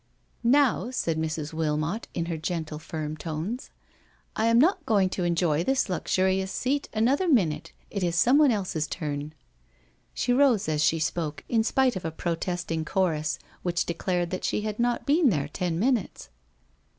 " Now," said Mrs. Wilmot, in her gentle, firm tones, " I am not going to enjoy this luxurious seat another minute. It is someone else's turn.'* CANTERBURY TALES 105 She rose as she spoke, in spite of a protesting chorus which declared that she had not been there ten minutes.